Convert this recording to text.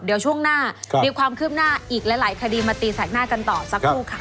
เดี๋ยวช่วงหน้ามีความคืบหน้าอีกหลายคดีมาตีแสกหน้ากันต่อสักครู่ค่ะ